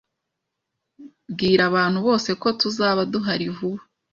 Bwira abantu bose ko tuzaba duhari vuba.